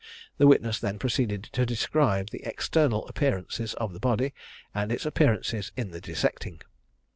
The witness then proceeded to describe the external appearances of the body, and its appearances in the dissecting.